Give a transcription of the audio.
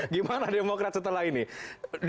gimana demokrat setelah ini